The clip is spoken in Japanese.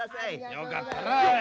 よかったなおい。